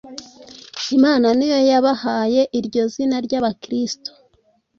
Imana ni yo yabahaye iryo zina ry’Abakristo.